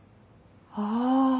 ああ。